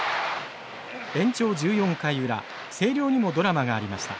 延長１４回裏星稜にもドラマがありました。